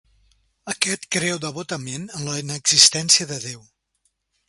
Aquest creu devotament en la inexistència de Déu.